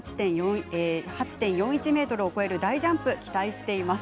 ８．４１ｍを超える大ジャンプ期待しています。